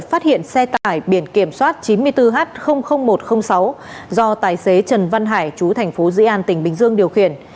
phát hiện xe tải biển kiểm soát chín mươi bốn h một trăm linh sáu do tài xế trần văn hải chú thành phố di an tỉnh bình dương điều khiển